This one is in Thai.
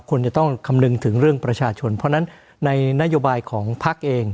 ควรจะต้องคำนึงถึงเรื่องประชาชนเพราะฉะนั้นในนโยบายของพักเอง